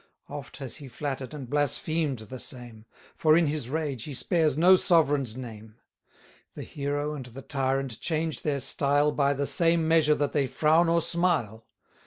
Oft has he flatter'd and blasphemed the same; For in his rage he spares no sovereign's name: The hero and the tyrant change their style By the same measure that they frown or smile.